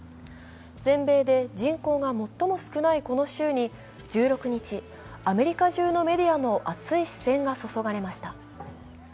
全米で人口が最も少ないこの州にアメリカ中のメディアの熱い視線が注がれました。